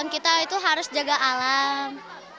kita itu harus jaga alam